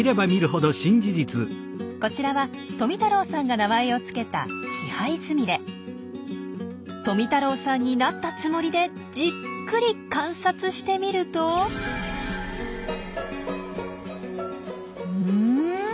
こちらは富太郎さんが名前を付けた富太郎さんになったつもりでじっくり観察してみるとうん？